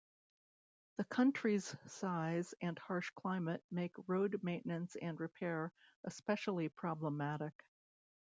The country's size and harsh climate make road maintenance and repair especially problematic.